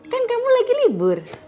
kan kamu lagi libur